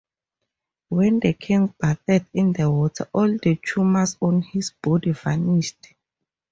When the king bathed in the water all the tumours on his body vanished.